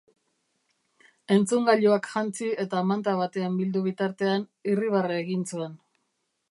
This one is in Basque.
Entzungailuak jantzi eta manta batean bildu bitartean, irribarre egin zuen.